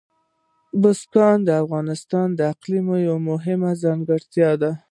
بزګان د افغانستان د اقلیم یوه مهمه ځانګړتیا ده.